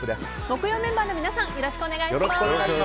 木曜メンバーの皆さんよろしくお願いします。